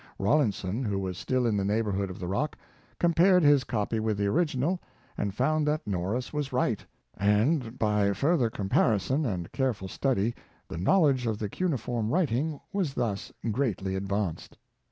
Raw linson, who was still in the neighborhood of the rock, compared his copy with the original, and found that Norris was right; and, by further comparison and care ful study the knowledge of the cuneiform writing was thus greatly advanced.